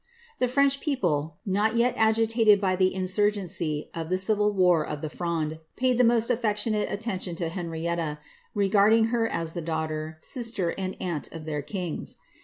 The French people, not yet agitated by the insurgency of the civil war of the Fronde, paid the most aflectionate attention to Henrietta, re garding her as the daughter, sister, and aunt of their kings.